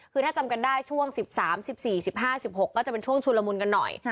คือถ้าจำกันได้ช่วง๑๓๑๔๑๕๑๖ก็จะเป็นช่วงชุลมุนกันหน่อย